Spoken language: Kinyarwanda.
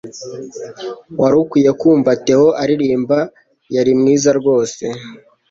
Wari ukwiye kumva Theo aririmba Yari mwiza rwose